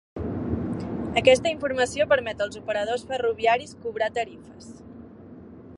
Aquesta informació permet als operadors ferroviaris cobrar tarifes.